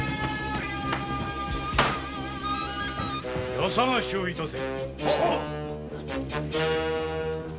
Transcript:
家捜しをいたせ！